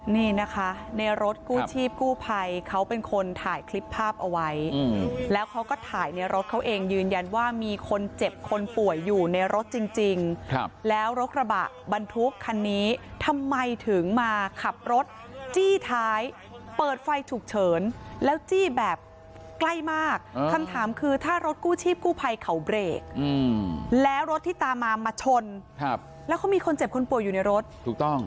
นี่นะคะในรถกู้ชีพกู้ภัยเขาเป็นคนถ่ายคลิปภาพเอาไว้แล้วเขาก็ถ่ายในรถเขาเองยืนยันว่ามีคนเจ็บคนป่วยอยู่ในรถจริงแล้วรถกระบะบรรทุกคันนี้ทำไมถึงมาขับรถจี้ท้ายเปิดไฟฉุกเฉินแล้วจี้แบบใกล้มากคำถามคือถ้ารถกู้ชีพกู้ภัยเขาเบรกแล้วรถที่ตามมามาชนแล้วเขามีคนเจ็บคนป่วยอยู่ในรถถูกต้อง